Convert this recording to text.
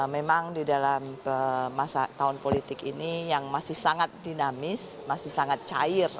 memang di dalam masa tahun politik ini yang masih sangat dinamis masih sangat cair